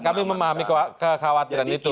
kami memahami kekhawatiran itu